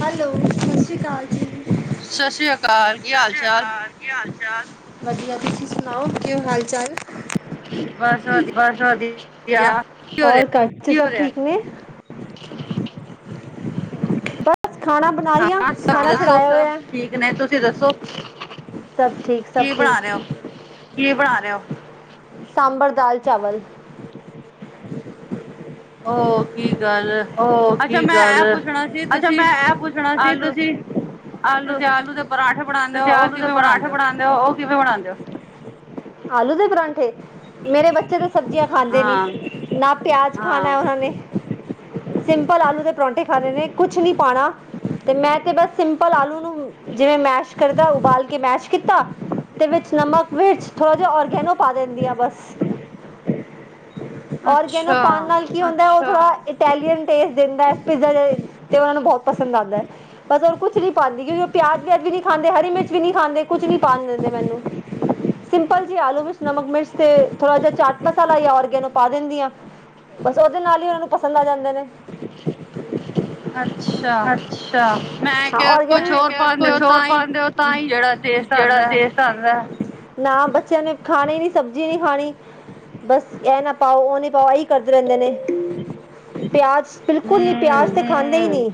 Hello, ਸਤਿ ਸ੍ਰੀ ਅਕਾਲ ਜੀ। ਸਸਰਿਆ ਕਾਲ। ਕੀ, ਹਾਲ-ਚਾਲ? ਵਧੀਆ। ਤੁਸੀਂ ਸੁਣਾਓ, ਕੀ ਹਾਲ-ਚਾਲ? ਬਸ ਵ--ਵਧੀਆ, ਹੋਰ ਘਰ'ਚ ਠੀਕ ਨੇ? ਬਸ ਖਾਣਾ ਬਣਾ ਲਈਆਂ, ਖਾਣਾ ਛੁਡਾਇਆ ਹੋਇਆ ਠੀਕ ਨੇ ਤੁਸੀਂ ਦੱਸੋ ਸਭ ਠੀਕ, ਸਭ ਠੀਕ ਕੀ ਬਣਾ ਲਿਆ ਸਾਂਬਰ ਦਾਲ ਚਾਵਲ ਉਹ ਕੀ ਗੱਲ, ਅੱਛਾ ਮੈਂ ਇਹ ਪੁੱਛਣਾ ਜੇ ਤੁਸੀਂ ਆਲੂ ਤੁਸੀਂ ਆਲੂ ਦੇ ਪਰਾਂਠੇ ਬਣਾਂਦੇ ਓ, ਉਹ ਕਿਵੇਂ ਬਣਾਂਦੇ ਓ? ਉਹ ਕਿਵੇਂ ਬਣਾਂਦੇ ਓ? ਆਲੂ ਦੇ ਪਰਾਂ ਮੇਰੇ ਬੱਚੇ ਤਾਂ ਸਬਜ਼ੀਆਂ ਖਾਂਦੇ ਨੀ ਨਾ ਪਿਆਜ ਖਾਣਾ ਉਹਨਾਂ ਨੇ, ਸਿੰਪਲ ਆਲੂ ਦੇ ਪਰੌਠੇ ਖਾਣੇ ਨੇ ਕੁਛ ਨਹੀਂ ਪਾਉਣਾ ਤੇ ਮੈਂ ਤੇ ਬਸ ਸਿੰਪਲ ਆਲੂ ਨੂੰ ਜਿਵੇਂ ਮੈਸ਼ ਕਰਦਾ ਉਬਾਲ ਕੇ ਮੈਸ਼ ਕੀਤਾ ਤੇ ਵਿੱਚ ਨਮਕ ਵਿੱਚ ਥੋੜਾ ਜਿਹਾ ਔਰਗੈਨੋ ਪਾ ਦਿੰਦੀ ਹਾਂ ਬਸ, ਔਰਗੈਨੋ ਪਾਉਣ ਨਾਲ ਕੀ ਹੁੰਦਾ ਉਹ ਥੜਾ ਇਟੈਲੀਅਨ ਟੇਸਟ ਦਿੰਦਾ ਪਿੱਜ਼ਾ ਤੇ ਉਹਨਾ ਨੂੰ ਬਹੁਤ ਪਸੰਦ ਆਂਉਦਾ ਹੈ ਬਸ ਹੋਰ ਕੁਛ ਨਹੀਂ ਪਾਂਦੀ ਕਿਉਂਕਿ ਉਹ ਪਿਆਜ -ਪਿਆਜ ਵੀ ਨੀ ਖਾਂਦੇ ਹਰੀ ਮਿਰਚ ਕੁਛ ਵੀ ਨੀ ਖਾਂਦੇ, ਕੁਛ ਨੀ ਪਾ ਦਿੰਦੇ ਮੈਨੂੰ ਸਿੰਪਲ ਜੀ ਆਲੂ ਮਿਰਚ ਨਮਕ ਮਿਰਚ ਤੇ ਥੋੜਾ ਜਿਹਾ ਚਾਟ ਮਸਾਲਾ ਜਾਂ ਔਰਗੈਨੋ ਪਾ ਦਿੰਦੀ ਆ ਬਸ ਉਹਦੇ ਨਾਲ ਹੀ ਉਹਨਾਂ ਨੂੰ ਪਸੰਦ ਆ ਜਾਂਦੇ ਨੇ ਅੱਛਾ ਕੁਛ ਹੋਰ ਪਾਉਂਦੇ ਹੋ ਤਾਂ ਹੀ ਜਿਹੜਾ ਤੇ ਨਾ ਬੱਚਿਆਂ ਨੇ ਖਾਣੀ ਨੀ ਸਬਜ਼ੀ ਨੀ ਖਾਣੀ ਬਸ ਇਹ ਨਾ ਪਾਓ, ਉਹ ਨੀ ਪਾਓ ਇੱਕ ਕਰਦੇ ਰਹਿੰਦੇ ਨੇ, ਪਿਆਜ ਬਿਲਕੁਲ ਨੀ ਪਿਆਜ ਤੇ ਖਾਂਦੇ ਹੀ ਨੀ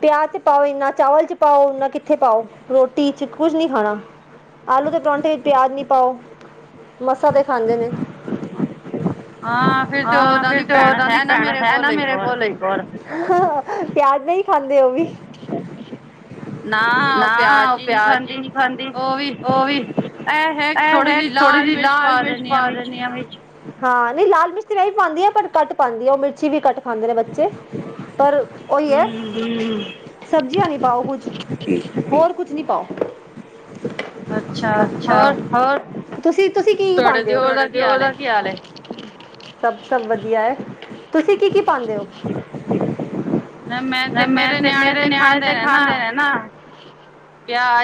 ਪਿਆਜ ਚ ਪਾਓ ਇੰਨਾ ਚਾਵਲ ਚ ਪਾਓ ਓਨਾ ਕਿੱਥੇ ਪਾਓ ਰੋਟੀ ਚ ਕੁੱਝ ਨੀ ਖਾਣਾ ਆਲੂ ਦੇ ਪਰੌਠੇ ਵਿੱਚ ਪਿਆਜ ਨਾ ਪਾਓ, ਮਸਾਂ ਤੇ ਖਾਂਦੇ ਨੇ ਹਾਂ ਫਿਰ ਤੇ ਉਹਨਾਂ ਦੀ ਭੈਣ ਹੈ ਨਾ ਮੇਰੇ ਕੋਲ ਇੱਕ ਕੋਲ ਪਿਆਜ ਨਹੀਂ ਖਾਂਦੇ ਉਹ ਵੀ ਨਾ ਉਹ ਪਿਆਜ ਹੀ ਨਹੀਂ ਖਾਂਦੀ ਉਹ ਵੀ ਇਹ ਹੈ ਥੋੜ੍ਹੀ ਜਿਹੀ ਲਾਲ ਮਿਰਚ ਪਾ ਦਿੰਦੀ ਹਾਂ ਵਿੱਚ ਹਾਂ ਨਹੀਂ ਲਾਲ ਮਿਰਚ ਮੈਂ ਵੀ ਪਾਉਂਦੀ ਆ ਪਰ ਘਟ ਪਾਉਂਦੀ ਉਹ ਮਿਰਚੀ ਵੀ ਘਟ ਖਾਂਦੇ ਨੇ ਬੱਚੇ ਪਰ ਸਬਜ਼ੀਆਂ ਨੀ ਪਾਓ ਕੁਛ, ਹੋਰ ਕੁਛ ਨੀ ਪਾਓ ਅੱਛਾ ਹੋਰ ਤੁਸੀਂ, ਤੁਸੀਂ ਕੀ -ਕੀ ਪਾਉਂਦੇ ਹੋ ਤੁਹਾਡੇ ਦਿਉਰ ਦਾ ਕੀ ਹਾਲ ਹੈ? ਸਭ, ਸਭ ਵਧੀਆ ਹੈ ਤੁਸੀਂ ਕੀ -ਕੀ ਪਾਉਂਦੇ ਹੋ ਨਾ ਮੈਂ ਤੇ ਮੇਰੇ ਨਿਆਣੇ ਤੇ ਖਾਂਦੇ ਨੇ ਨਾ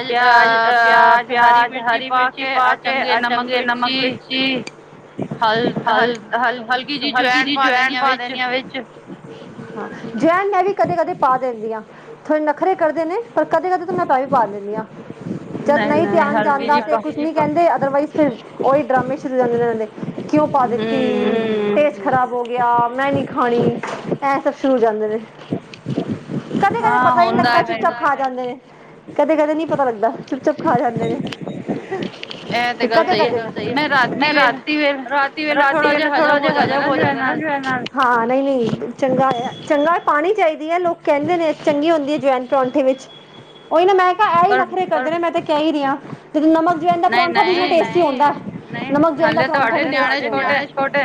ਪਿਆਜ ਅਹ ਪਿਆਜ ਹਰੀ ਮਿਰਚੀ ਪਾ ਕੇ ਆ ਚੰਗੇ ਨਮਕ ਮਿਰਚੀ ਜੀ ਹਲ ਹਲ ਹਲਕੀ ਜਿਹੀ ਐਜਵਾਇਨ ਪਾ ਦੇਣੀ ਆ ਵਿੱਚ ਹਾਂ ਅਜਵੈਨ ਮੈਂ ਵੀ ਕਦੇ-ਕਦੇ ਪਾ ਦਿੰਦੀ ਹਾਂ ਥੋੜੇ ਨਖਰੇ ਕਰਦੇ ਨੇ ਪਰ ਕਦੇ -ਕਦੇ ਤਾਂ ਮੈਂਦਾ ਵੀ ਪਾ ਦਿੰਦੀ ਹਾਂ ਜਦ ਨਹੀਂ ਧਿਆਨ ਜਾਂਦਾ ਤੇ ਕੁਛ ਨੀ ਕਹਿੰਦੇ ਅਦਰਵਾਈਜ਼ ਫਿਰ ਉਹੀ ਡਰਾਮੇ ਸ਼ੁਰੂ ਹੋ ਜਾਂਦੇ ਨੇ ਇਹ ਦੇ ਕਿਉਂ ਪਾ ਦਿੱਤੀ, ਟੇਸਟ ਖਰਾਬ ਹੋ ਗਿਆ, ਮੈਂ ਨੀ ਖਾਣੀ ਇਹ ਸਭ ਸ਼ੁਰੂ ਜਾਂਦੇ ਨੇ ਕਦੇ -ਕਦੇ ਪਤਾ ਹੀ ਲੱਗਦਾ ਚੁਪ ਚਾਪ ਜਾਂਦੇ ਨੇ, ਕਦੇ- ਕਦੇ ਨਹੀਂ ਪਤਾ ਲੱਗਦਾ ਚੁਪ ਚੁਪ ਖਾ ਜਾਂਦੇ ਨੇ ਹ ਫੇਰ ਕਦੇ -ਕਦੇ ਮੈਂ ਰਾਤੀ ਵੇਲੇ ਰਾਤੀ ਵੇਲੇ ਥੋੜਾ ਜਿਹਾ ਹਜ਼ਮ ਹੋ ਜਾਂਦਾ ਨਾ ਅਜਵੈਨ ਨਾਲ ਹਾਂ ਨਹੀਂ- ਨਹੀਂ ਚੰਗਾ- ਚੰਗਾ ਪਾਉਣੀ ਚਾਹੀਦੀ ਹੈ ਲੋਕ ਕਹਿੰਦੇ ਨੇ ਚੰਗੀ ਹੁੰਦੀ ਹੈ ਅਜਵੈਨ ਪਰੌਂਠੇ ਵਿੱਚ ਉਹੀ ਨਾ ਮੈਂ ਕਿਹਾ ਇਹ ਨਖਰੇ ਕਰਦੇ ਨੇ ਮੈਂ ਤੇ ਕਹਿ ਹੀ ਰਹੀ ਤੇ ਨਮਕ ਅਜਵੈਨ ਦਾ ਪਰੌਠਾ ਵੀ ਇੰਨਾ ਟੇਸਟੀ ਹੁੰਦਾ ਅਜੇ ਤੁਹਾਡੇ ਨਿਆਣੇ ਛੋਟੇ,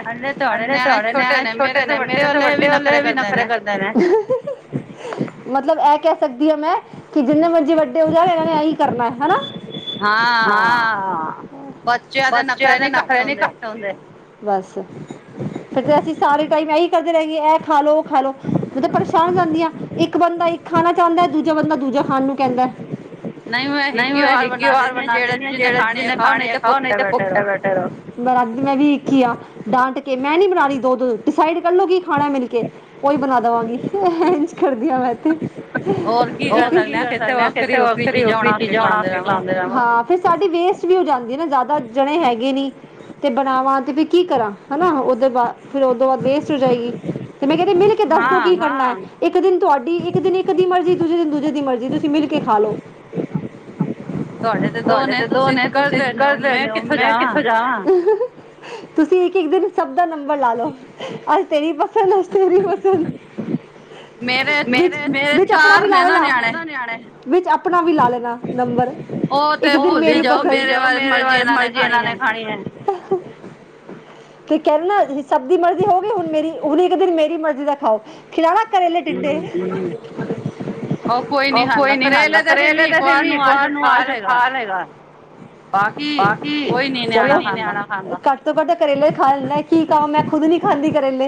ਅਜੇ ਤੁਹਾਡੇ ਨਿਆਣੇ ਛੋਟੇ ਨੇ ਮੇਰੇ ਤਾਂ ਵੱਡੇ ਵਾਲੇ ਵੀ ਨਖਰੇ ਕਰਦੇ ਨੇ, ਮਤਲਬ ਇਹ ਕ ਸਕਦੀ ਹੈ ਮੈਂ ਕਿ ਜਿੰਨੇ ਮਰਜ਼ੀ ਵੱਡੇ ਹੋ ਜਾਣ ਇਹਨਾਂ ਨੇ ਇਹੀ ਕਰਨਾ ਹਨਾ ਹਾਂ ਬੱਚਿਆਂ ਦੇ ਨਖਰੇ ਨੀ ਘੱਟ ਹੁੰਦੇ ਬਸ ਫੇਰ ਤੇ ਅਸੀਂ ਸਾਰੇ ਟਾਈਮ ਇਹੀ ਕਰਦੇ ਰਹਿ ਗਏ ਇਹ ਖਾ ਲੋ ਉਹ ਖਾ ਲੋ। ਮੈ ਤੇ ਪਰੇਸ਼ਾਨ ਹੋ ਜਾਣੀ ਆ ਇੱਕ ਬੰਦਾ ਇੱਕ ਖਾਣਾ ਚਾਹੁੰਦਾ ਹੈ ਦੂਜਾ ਬੰਦਾ ਦੂਜਾ ਖਾਣ ਨੂੰ ਕਹਿੰਦਾ। ਨਹੀਂ ਮੈਂ ਇੱਕ ਹੀ ਵਾਰ ਬਣਾ ਦੇਣੀ ਆ ਜੇੜਾ ਜਿਨੇ ਖਾਣੀ ਆ ਖਾਓ ਨਹੀਂ ਤੇ ਭੁੱਖੇ ਬੈਠੇ ਰਹੋ। ਬਣਾਦੀ ਮੈਂ ਵੀ ਇੱਕ ਇ ਆ ਡਾਂਟ ਕੇ ਮੈਂ ਨੀ ਬਣਾ ਰਹੀ ਦੋ ਦੋ ਡਿਸਾਈਡ ਕਰ ਲੋ ਕਿ ਖਾਣਾ ਮਿਲ ਕੇ ਓਹੀ ਬਣਾਦਾ [unintelligible] ਹੋਰ ਕੀ ਕਰ ਸਕਦੇ ਆ ਕਿੱਥੇ ਵੱਖਰੀ ਵੱਖਰੀ ਚੀਜ਼ਾਂ ਬਣਾ ਕੇ ਖਿਲਾਂਦੇ ਰਹਾਂ। ਹਾਂ ਫੇਰ ਸਾਡੀ ਵੇਸਟ ਵੀ ਹੋ ਜਾਂਦੀ ਨਾ ਜ਼ਿਆਦਾ ਜਣੇ ਹੈਗੇ ਨੀ। ਤੇ ਬਣਾਵਾਂ ਤੇ ਫੇਰ ਕੀ ਕਰਾਂ ਹੈਨਾ ਉਹਦੇ ਬਾਅਦ ਫੇਰ ਉਹੋਂ ਤੋਂ ਬਾਅਦ ਵੇਸਟ ਹੋ ਜਾਏਗੀ। ਤੇ ਮੈਂ ਕਹ ਰਹੀ ਆ ਮਿਲ ਕੇ ਦੱਸ ਕੀ ਕਰਨਾ ਇੱਕ ਦਿਨ ਤੁਹਾਡੀ, ਇੱਕ ਦਿਨ ਇੱਕ ਦੀ ਮਰਜ਼ੀ, ਦੂਜੇ ਦਿਨ ਦੂਜੇ ਦੀ ਮਰਜ਼ੀ ਤੁਸੀਂ ਮਿਲ ਕੇ ਖਾ ਲੋੋ। ਤੁਵਾਡੇ ਤੇ ਦੋ ਨੇ ਤੁਸੀਂ ਕਰ ਲੈਨੇ ਹੋ ਮੈਂ ਕਿੱਥੋਂ ਜਾਵਾਂ? ਤੁਸੀਂ ਇੱਕ ਇੱਕ ਦਿਨ ਸਭ ਦਾ ਨੰਬਰ ਲਾ ਲਓ ਅੱਜ ਤੇਰੀ ਬਾ [unintelligible] ਮੇਰੇ, ਵਿੱਚ ਆਪਣਾ ਵੀ ਲਾ ਲੈਣਾ। ਵਿੱਚ ਆਪਣਾ ਵੀ ਲਾ ਲੈਣਾ ਨੰਬਰ। ਓਹ ਤੇ ਭੁੱਲ ਈ ਜਾਓ ਮੇਰੇ ਵੱਲ ਮਰਜ਼ੀ ਇਹਨਾਂ ਨੇ ਖਾਣੀ ਏ। [unintelligible] ਸਭ ਦੀ ਮਰਜ਼ੀ ਹੋ ਗਈ ਹੁਣ ਮੇਰੀ ਹੁਣ ਇੱਕ ਦਿਨ ਮੇਰੀ ਮਰਜ਼ੀ ਦਾ ਖਾਓ। ਖਿਲਾਵਾਂ ਕਰੇਲੇ। [unintelligible] ਉਹ ਕੋਈ ਨੀ ਖਾਂਦਾ ਕਰੇਲੇ ਤੇ ਫੇਰ ਵੀ ਇੱਕ ਵਾਰ ਨੂ ਆਸ਼ੂ ਖਾ ਲੇਗਾ। [unintelligible] ਘੱਟ ਤੋਂ ਘੱਟ ਐਹ ਕਰੇਲੇ ਖਾ ਲੈਂਦੇ ਮੈ ਕੀ ਕਹਿਵਾ ਮੈਂ ਖੁਦ ਨੀ ਖਾਂਦੀ ਕਰੇਲੇ।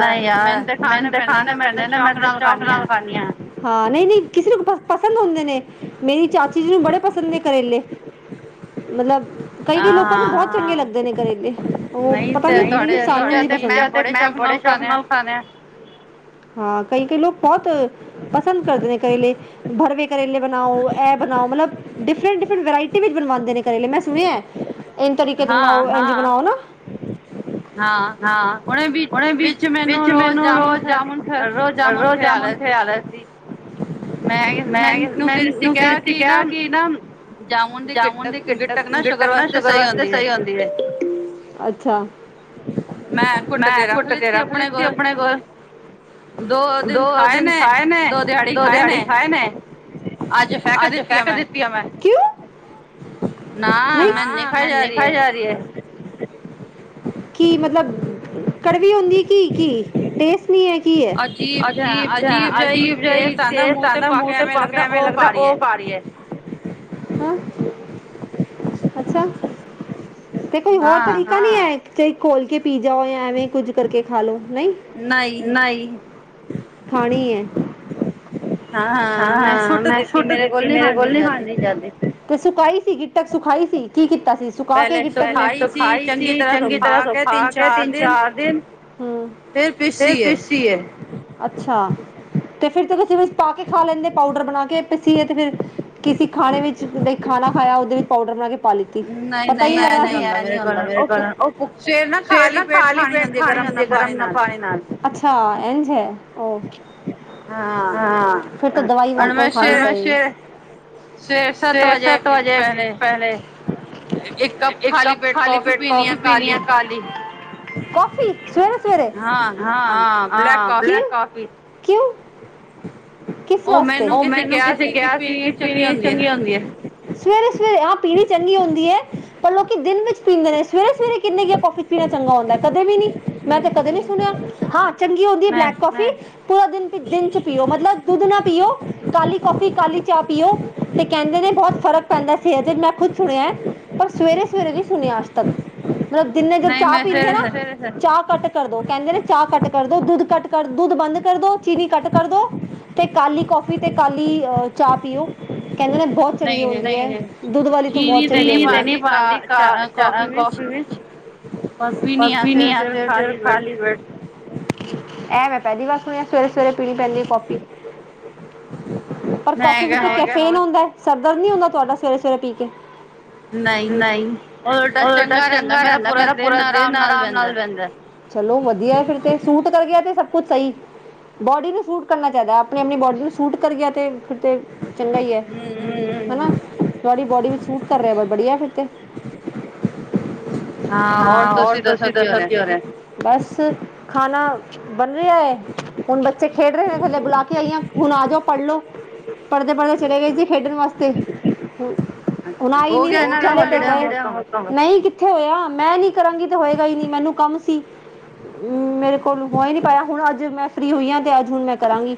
ਨਹੀਂ ਯਾਰ ਮੈਨੂੰ ਤਾਂ ਖਾਣੇ ਪੈਂਨੇ ਨੇ ਮੈਂ ਤੇ ਸ਼ੌਕ ਨਾਲ ਖਾਨੀ ਆ। ਹਾਂ ਨਹੀਂ ਨਹੀਂ ਕਿਸੇ ਨੂੰ। [unintelligible] ਪਸੰਦ ਹੁੰਦੇ ਨੇ ਮੇਰੀ ਚਾਚੀ ਜੀ ਨੂੰ ਬੜੇ ਪਸੰਦ ਨੇ ਕਰੇਲੇ ਮਤਲਬ। ਕਈ ਕਈ ਲੋਕਾਂ ਨੂੰ ਬਹੁਤ ਚੰਗੇ ਲੱਗਦੇ ਨੇ ਕਰੇਲੇ। [unintelligible] ਮੈਂ ਬੜੇ ਸ਼ੌਕ ਨਾਲ ਖਾਣੇ। ਹਾਂ ਕਈਂ ਕਈਂ ਲੋਕ ਬਹੁਤ ਪਸੰਦ ਕਰਦੇ ਨੇ ਕਰੇਲੇ ਭਰਵੇ ਕਰੇਲੇ। ਬਣਾਓ ਇਹ ਬਣਾਓ ਮਤਲਬ। ਡਿਫਰੇਂਟ-ਡਿਫਰੇਂਤ ਵਰਾਇਟੀ ਵਿਚ ਬਨਵਾਂਦੇ ਨੇ ਕਰੇਲੇ ਮੈਂ ਸੁਣਿਆ ਇਜ਼ ਤਰੀਕੇ ਦੇ ਬਣਾਓ ਇਜ਼ ਬਣਾਓ। [unintelligible] ਵਿੱਚ ਮੈਨੂੰ ਰੋਜ਼ [unintelligible] [unintelligible] [unintelligible] ਕਿਆ ਕਿ ਨਾ। ਜਾਮੁਨ ਦੀ ਗਿੱਟਕ ਗਿੱਟਕ ਨਾ ਸ਼ੂਗਰ ਵਾਸਤੇ ਸਹੀ ਹੁੰਦੀ ਏ। ਅੱਛਾ, ਮੈਂ ਕੁੁੱਟ ਕੇ ਰੱਖ ਲਿੱਤੀ ਅਪਣੇ ਕੋਲ ਦੋ ਦਿਨ ਖਾਏ ਨੇ ਦੋ ਦਿਹਾੜੀ ਖਾਏ। [unintelligible] ਅੱਜ ਫੈਂਕ ਦਿੱਤੀ ਆ ਮੈਂ, ਕਿਉ? [unintelligible] ਕੀ ਮਤਲਬ ਕੜਵੀ ਹੁੰਦੀ? ਕੀ ਕੀ ਟੈਸਟ ਨੀ ਹੈ ਕੀ ਹੈ ਅਜੀਬ ਜ ਅਜੀਬ ਜ ਹੀ। ਟੇਸਟ ਆਂਦਾ ਮੂੰਹ ਤੇ ਪਾ ਕੇ ਐਵੇਂ ਲੱਗਦਾ ਉਹ ਖਾ। [unintelligible] [unintelligible] ਅੱਛਾ। ਤੇ ਕੋਈ ਹੋਰ ਤਰੀਕਾ ਨੀ ਹੈ ਕੇ ਘੋਲ ਕੇ ਪੀ ਜਾਓ ਯਾ ਐਵੇਂ ਕੁੱਝ ਕਰਕੇ। ਖਾਲੋ ਨਹੀਂ ਨਹੀਂ ਖਾਣੀ ਏ। ਹਾਂ ਮੈਂ ਸੁੁੱਟ ਦਿੱਤੀ ਮੇਰੇ ਕੋਲ ਨੀ ਖਾਦੀ ਜਾਂਦੀ, ਤੇ ਸੁਕਾਈ ਸੀ ਗੀ? ਤੇ ਸੁਖਾਈ ਸੀ ਕੀ ਕੀਤਾ ਸੀ ਸੁਖਾ ਕੇ ਗਿਟਕ ਨੂੰ, ਪਹਿਲੇ ਸੁਖਾਈ ਸੀ ਚੰਗੀ ਤਰ੍ਹਾਂ ਸੁਖਾ ਤੇ ਤਿੰਨ ਚਾਰ ਦਿਨ ਫੇਰ ਪਿੱਸੀ ਏ, ਅੱਛਾ। ਤੇ ਫੇਰ ਤੇ ਤੁਸੀ ਕਿਸੇ ਚ ਪਾ ਕੇ ਖਾ ਲੈਂਦੇ ਪਾਊਡਰ ਬਣਾ ਕੇ ਪੀਸੀ ਏ ਤੇ ਫਿਰ। ਕਿਸੀ ਖਾਣੇ ਵਿੱਚ ਨਹੀਂ ਖਾਣਾ ਖਾਇਆ ਉਹਦੇ ਵਿੱਚ ਪਾਊਡਰ ਬਣਾ ਕੇ, ਪਾ ਲਿਤੀ ਪਤਾ ਹੀ ਨਹੀਂ ਲੱਗਣਾ ਸੀ। ਨਹੀਂ ਨਹੀਂ ਐਹ ਨੀ ਹੁੰਦਾ ਮੇਰੇ ਕੋਲ ਉਹ ਸਵੇਰੇ ਨਾ ਖਾਲੀ ਪੇਟ ਖਾਣੀ ਹੁੰਦੀ ਏ। ਗਰਮ ਨਾ ਪਾਣੀ ਨਾਲ, ਅੱਛਾ ਏਨਜ ਹੈ। ੳਕੇ, ਹਾਂ, ਫਿਰ ਤਾਂ ਦਵਾਈ ਨਾਲ ਕੋਈ ਫਰਕ ਨੀ ਪੈਨੀ ਸਵੇਰੇ ਸੱਤ ਵਜੇ ਐ [unintelligible] ਇੱਕ ਕੱਪ ਖਾਲੀ ਪੇਟ ਕੋਫੀ ਪੀਨੀ ਏ ਖਾਲੀ, ਕੋਫੀ ਸਵੇਰੇ ਸਵੇਰੇ ਸਵੇਰੇ ਹਾ, ਹਾ, ਬਲੈਕ ਕਾਫੀ, ਕਿਉ? ਕਿਸ ਵਾਸਤੇ? ਉਹ ਮੈਨੂੰ ਕਿਸੇ ਕਿਹਾ ਸੀ, ਕਿ ਪੀਣੀਆਂ ਚੰਗੀਆਂ ਹੁੰਦੀਆਂ। ਸਵੇਰੇ ਸਵੇਰੇ ਆਹ ਪੀਣੀ ਚੰਗੀ ਹੁੰਦੀ ਹੈ। ਪਰ ਲੋਕੀ ਦਿਨ ਵਿੱਚ ਪੀਂਦੇ ਨੇ ਸਵੇਰੇ ਸਵੇਰੇ ਕਿੰਨੇ ਕੇਆ ਕੌਫੀ ਪੀਣਾ ਚੰਗਾ ਹੁੰਦੇ, ਕਦੇ ਵੀ ਨੀ ਮੈਂ ਤੇ ਕਦੇ ਨੀ ਸੁਨਿਆ, ਹਾਂ ਚੰਗੀ ਹੁੰਦੀ ਬਲੈਕ ਕੌਫੀ ਪੂਰਾ ਦਿਨ ਦਿਨ ਚ ਪੀਓ, ਮਤਲਬ ਦੁੱਧ ਨਾ ਪੀਓ, ਕਾਲੀ ਕੌਫੀ ਕਾਲੀ ਚਾਹ ਪੀਓ ਤੇ ਕਹਿੰਦੇ ਨੇ ਬਹੁਤ ਫਰਕ ਪੈਂਦਾ ਸੀ ਏ ਤੇ ਮੈਂ ਖੁਦ ਸੁਣਿਐ, ਪਰ ਸਵੇਰੇ ਸਵੇਰੇ ਨੀ ਸੁਨਿਆ ਮਤਲਬ ਦਿਨੇ ਜੋ ਚਾਹ ਪੀਰੇ ਹੈ ਨਾ, ਚਾਹ ਘੱਟ ਕਰਦੋ, ਕਹਿੰਦੇ ਨੇ ਚਾਹ ਘਟ ਕਰ ਦੋ, ਦੁੱਧ ਘੱਟ ਕਰ ਦੁੱਧ ਬੰਦ ਕਰਦੋ, ਚੀਨੀ ਘੱਟ ਕਰਦੋ ਤੇ ਕਾਹਲੀ ਕੌਫੀ ਤੇ ਕਾਹਲੀ ਅ ਚਾਹ ਪੀਓ ਕਹਿੰਦੇ ਨੇ ਬਹੁਤ ਚੰਗੀ ਹੁੰਦੇ ਹੈ ਦੁੱਧ ਵਾਲੀ ਤੋਂ ਬਹੁਤ ਚੰਗੀ [unintelligible] ਕੌਫੀ ਵਿੱਚ ਬਸ ਵੀ ਨੀ ਆ ਤੇ ਫਿਰ ਖਾਲੀ ਬੈਠ ਪਹਿਲੀ ਵਾਰ ਸੁਣਿਆ, ਸਵੇਰੇ ਸਵੇਰੇ ਪੀਨੀ ਪੈਂਦੀ ਹੈ ਕੌਫੀ ਪਰ ਕੋਫੀ ਵਿੱਚ ਕੈਫੇਨ ਹੁੰਦੇ, ਸਰ ਦਰਦ ਨੀ ਹੁੰਦਾ ਤੁਹਾਡਾ ਸਵੇਰੇ ਸਵੇਰੇ ਪੀ ਕੇ ਨਹੀਂ, ਉਹ ਉਲਟਾ ਚੰਗਾ ਰਹਿੰਦੇ ਮੇਰਾ ਪੂਰਾ ਦਿਨ ਆਰਾਮ ਨਾਲ ਰਹਿੰਦਾ ਚਲੋ ਵਧੀਆ ਫਿਰ ਤੇ, ਸੂਟ ਕਰ ਗਿਆ ਤੇ ਸਭ ਕੁਛ ਸਹੀ ਬੋਡੀ ਨੂੰ ਸੂਟ ਕਰਨਾ ਚਾਹੀਦੇ, ਅਪਨੀ ਅਪਨੀ ਬੋਡੀ ਨੂੰ ਸੂਟ ਕਰੀਏ ਤੇ ਫਿਰ ਤੇ ਚੰਗਾ ਈ ਹੈ, ਹੇਨਾ ਤੁਹਾਡੀ ਬੋਡੀ ਵਿੱਚ ਸੂਟ ਕਰ ਰਿਹਾ ਵੇ, ਬੜੀਆ ਫਿਰ ਤੇ ਹਾਂ, ਹੋਰ ਤੁਸੀਂ ਦੱਸੋ ਕੀ ਹੋਰ ਏ? ਹਾ, ਬਸ ਖਾਨਾ ਬਨ ਰਿਹਾ ਐ, ਹੁਣ ਬੱਚੇ ਖੇਡ ਰਹੇ ਨੇ ਥੱਲੇ ਬੁਲਾ ਕੇ ਆਈਆਂ ਹੁਨ ਆ ਜਾਓ, ਪੜ੍ਹ ਲੋ। ਪੜ੍ਹਦੇ ਪੜ੍ਹਦੇ ਚਲੇ ਗਏ ਸੀ ਖੇਡਣ ਵਾਸਤੇ ਹੁਣ ਆਈ ਨੀ ਰੇ, ਚਲੇ ਤੇ ਗਏ, ਨਹੀਂ ਕਿੱਥੇ ਹੋਇਆ ਮੈਂ ਨੀ ਕਰਾਂਗੀ ਤੇ ਹੋਏਗਾ ਹੀ ਨੀ, ਮੈਨੂੰ ਕੰਮ ਸੀ ਮੇਰੇ ਕੋਲ ਹੋਅ ਹੀ ਨਹੀ ਪਾਇਆ ਹੁਣ ਅੱਜ ਮੈਂ ਫ੍ਰਰੀ ਹੋਈ ਹਾਂ ਤੇ ਅੱਜ ਹੁਣ ਮੈਂ ਕਰਾਂਗੀ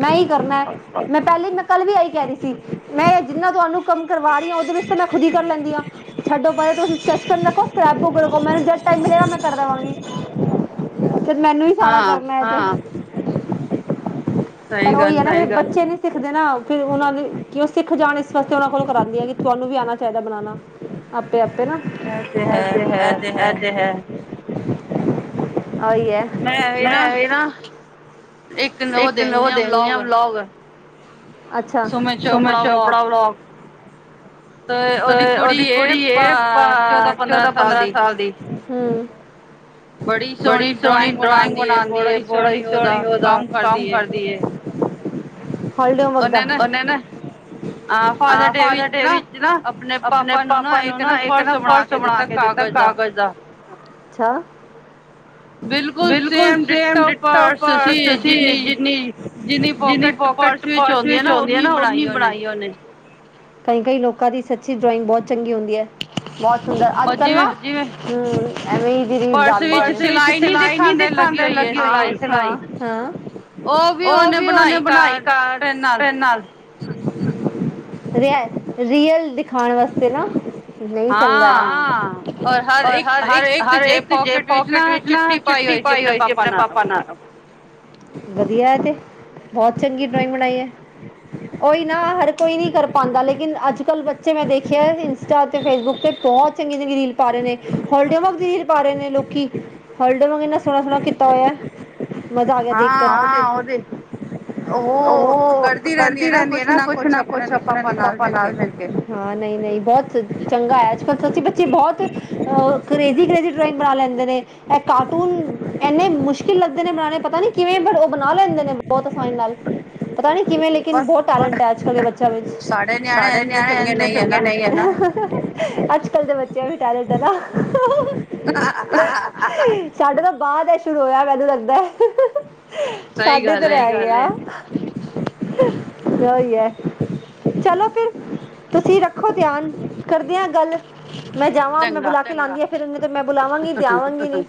ਮੈਂ ਹੀ ਕਰਨੇ ਮੈਂ ਪਹਿਲੇ ਈ, ਮੈਂ ਕੱਲ੍ਹ ਵੀ ਏਈ ਕਹਿ ਰਹੀ ਸੀ ਮੈਂ ਜਿੰਨਾ ਤੁਹਾਨੂੰ ਕੰਮ ਕਰਵਾ ਰਹੀ ਹਾਂ ਉਹਦੇ ਵਿੱਚ ਤਾਂ ਮੈਂ ਖੁਦ ਹੀ ਕਰ ਲੈਂਦੀ ਹਾਂ। ਛੱਡੋ ਪਰੇ, ਤੁਸੀ ਸਕੈਚ ਪੈਨ ਰੱਖੋ, ਸਕੈਰਪ ਬੂਕ ਰਖੋ, ਮੈਨ ਜਦ ਟਾਈਮ ਮਿਲੇਗਾ ਮ ਕਰਦਾ ਵਾਂਗੀ, ਫਿਰ ਮੈਨੂੰ ਵੀ ਸਾਰਾ ਕਰਨੇ ਪਰ ਉਹੀ ਹੈ ਨਾ ਬੱਚੇ ਨੀ ਸਿੱਖਦੇ ਨਾ, ਫਿਰ ਉਹਨਾਂ ਨੇ ਕਿ ਉਹ ਸਿੱਖ ਜਾਣ ਇਸ ਵਾਸਤੇ ਉਹਨਾਂ ਕੋਲ ਕਰਾਂਦੀ ਆ ਕਿ ਤੁਹਾਨੂੰ ਵੀ ਆਣਾ ਚਾਹੀਦੇ ਬਣਾਣਾ ਅਪੇ ਅਪੇ ਨਾ, ਏ ਤੇ ਹੈ, ਏ ਤੇ ਹੈ ੳਈ ਹੈ, ਮੈਂ ਐ ਨਾ ਇੱਕ ਨੋ ਦਿਨ ਉਹ ਬਲੋਗ [unintelligible] ਅੱਛਾ, ਸੁਮਨ ਚੋਪੜਾ ਬਲੋਕ ਤੇ ਉਹਦੀ ਕੁੜੀ ਏ, ਚੌਦਾਂ ਪੰਦਰਾਂ ਸਾਲ ਦੀ ਹਮ ਬੜੀ ਸੋਹਣੀ ਡਰਾਇੰਗ ਬਣਾਦੀ ਏ, ਬੜਾ ਹੀ ਸੋਹਣੀ ੳਦਾ ਕੰਮ ਕਰਦੀ ਹੋਲੀਡੇ ਹੋਮਵਰਕ ਦਾ, ੳਹਨੇ ਨਾ ਹਾਂ ਫਾਦਰ ਡੇ ਵਿੱਚ ਨਾ ਅਪਨੇ ਪਾਪਾ ਨੂੰ ਨਾ ਇਕ ਨਾ ਪਰਸ ਬਣਾ ਕੇ ਦਿੱਤਾ ਕਾਗਜ਼ ਦਾ, ਅੱਛਾ! ਬਿਲਕੁਲ ਸੇਮ ਡਿਟੋ ਪਰਸ ਸੀ, ਜਿੰਨੀ ਜਿੰਨੀ ਪੋਕਟ ਪਰਸ ਵਿੱਚ ਆਉਂਦੀ ਆ ਨਾ ਓਨੀ ਬਣਾਈ ਉਹਨੇ ਕਈ ਕਈ ਲੋਕਾਂ ਦੀ ਸੱਚੀ ਡਰਾਇੰਗ ਬਹੁਤ ਚੰਗੀ ਹੁੰਦੀ ਹੈ, ਬਹੁਤ ਸੁੰਦਰ ਅੱਜ ਕੱਲ੍ਹ ਨਾ ਹਮ ਐਵੇਂ ਜਿਹੜ ਵਿੱਚ ਸਿਲਾਈ ਨੀ ਦਿਖਾ ਲਗੀ ਹੋਈ ਹੈ ਸਿਲਾਈ ਹੈ ਉਹ ਵੀ ਉਹਨੇ ਬਣਾਈ ਕਾਰ ਰੀਅਲ ਖਾਣ ਵਾਸਤੇ ਨਾ ਨਹੀਂ ਚੰਗਾ ਔਰ ਹਰ ਇੱਕ ਹਰ ਇੱਕ ਜੇਬ ਪੋਕੇਿਟ ਵਿੱਚ ਨਾ ਚਿੱਠਟੀ ਪਾਈ ਹੋਈ ਸੀ ਆਪਣੇ ਪਾਪਾ ਨਾਲ ਵਧੀਆ ਏ ਤੇ ਬਹੁਤ ਚੰਗੀ ਡਰਾਇੰਗ ਬਣਾਈ ਹੈ ਉਹੀ ਨਾ ਹਰ ਕੋਈ ਨਹੀਂ ਕਰ ਪਾਂਦਾ, ਲੇਕਿਨ ਅੱਜ ਕੱਲ੍ਹ ਬੱਚੇ ਮੈਂ ਦੇਖੇ ਇੰਸਟਾ ਤੇ ਫੇਸਬੁੱਕ ਤੇ ਬਹੁਤ ਚੰਗੀ ਚੰਗੀ ਰੀਲ ਪਾ ਰਹੇ ਨੇ ਹੋਲਡ ਵਕ ਦੀ ਰੀਲ ਪਾ ਰਹੇ ਨੇ ਲੋਕੀ ਹਲਡੋ ਵਾਂਗ ਇੰਨਾ ਸੋਹਣਾ ਸੋਹਣਾ ਕੀਤਾ ਹੋਇਆ ਮਜ਼ਾ ਆ ਦੇਖ ਕਰ ਓਹ ਕਰਦੀ ਰਹਿੰਦੀ ਐ ਨਾ ਕੁਛ ਨਾ ਕੁਛ, ਆਪਣੇ ਪਾਪਾ ਨਾਲ ਮਿਲ ਕੇ। ਹਾਂ, ਨਈ ਨਈ ਬਹੁਤ ਚੰਗਾ ਐ। ਅੱਜ ਕੱਲ੍ਹ ਸੱਚੀ ਬੱਚੇ ਬਹੁਤ। ਓਹ ਕਰੇਜ਼ੀ-ਕਰੇਜ਼ੀ ਡਰਾਇੰਗ ਬਣਾ ਲੈਂਦੇ ਨੇ। ਐਹ ਕਾਰਟੂਨ ਐੰਨੇ ਮੁਸ਼ਕਿਲ ਲੱਗਦੇ ਨੇ ਬਨਾਣੇ, ਪਤਾ ਨੀ ਕਿਵੇਂ, ਪਰ ਉਹ ਬਨਾ ਲੈਂਦੇ ਨੇ ਬਹੁਤ ਆਸਾਨੀ ਨਾਲ। [inaudible] ਕਿਵੇਂ ਲੇਕਿਨ ਬਹੁਤ ਟੈਲਟ ਹੈ ਅੱਜ-ਕਲ ਦੇ ਬੱਚਿਆਂ ਵਿੱਚ ਸਾਡੇ ਨਿਆਣੇ ਐਂਜ ਦੇ ਚੰਗੇ ਨਹੀਂ ਏ ਨਾ। ਅੱਜ ਕੱਲ ਦੇ ਬੱਚਿਆਂ ਵੀ ਟੈਲੈਂਟ ਹੈ ਨਾ? ਸਾਡੇ ਤੋਂ ਬਾਅਦ ਐਹ ਸ਼ੁਰੂ ਹੋਇਆ ਮੈਨੂੰ ਲੱਗਦੈ ਸਾਡੇ ਤੇ ਰਹਿ ਗਿਆ। ਓਹੀ ਹੈ। [unintelligible] ਚਲੋ ਫਿਰ ਤੁਸੀਂ ਰੱਖੋ ਧਿਆਨ ਕਰਦੇ ਆਂ ਗੱਲ ਮੈਂ ਜਾਵਾਂ, ਮੈਂ ਬੁਲਾ ਕੇ ਲਾਨੀ ਆ ਫਿਰ ਨਈ ਤੇ ਮੈਂ ਬੁਲਾਵਾਂਗੀ ਤੇ ਆਵਾਂਗੀ ਨੀ।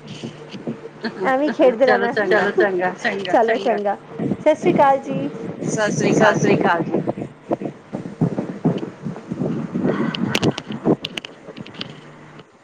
ਐਵੇਂ ਛੇੜਦੇ ਰਹਿੰਦੇ ਚਲੋ ਚੰਗਾ-ਚੱਲੋ‌ ਚੰਗਾ ਸਸ੍ਰਿ ਕਾਲ ਜੀ। ਸਸ੍ਰਿ ਕਾਲ ਜੀ।